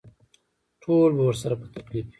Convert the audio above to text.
ټول به ورسره په تکلیف وي.